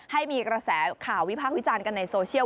ให้มีกระแสข่าววิพากษ์วิจารณ์กันในโซเชียล